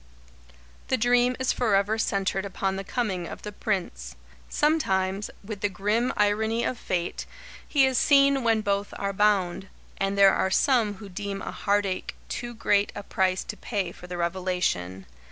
The dream is forever centred upon the coming of The Prince. Sometimes, with the grim irony of Fate, he is seen when both are bound and there are some who deem a heartache too great a price to pay for the revelation.